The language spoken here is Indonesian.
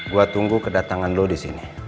gue tunggu kedatangan lo disini